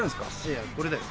いやこれだよ。